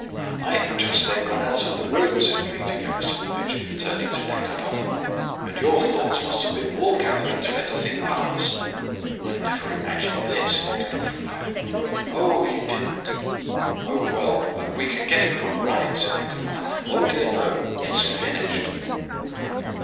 "I had just then gone out of the room," said Peter Gerasimovitch, turning to Nekhludoff, "and your thoughts must have been wool gathering to let the thing pass." "I never imagined this," Nekhludoff replied. "Oh, you didn't?" "Oh, well, we can get it put right," said Nekhludoff. "Oh, dear no; it's finished."